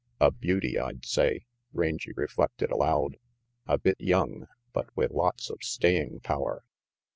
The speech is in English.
"A beauty, I'd say," Rangy reflected aloud. "A bit young, but with lots of staying power."